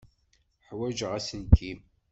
Ḥwaǧeɣ aselkim.